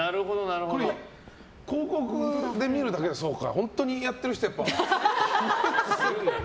これ、広告で見るだけだけど本当にやってる人もね。